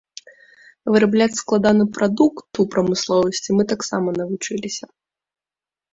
Вырабляць складаны прадукт у прамысловасці мы таксама навучыліся.